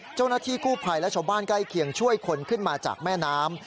เจ้าหน้าที่กู้ภัยและชาวบ้านใกล้เคียงช่วยคนขึ้นมาจากแม่น้ำ